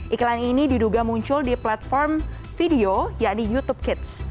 iklan ini diduga muncul di platform video yakni youtube kids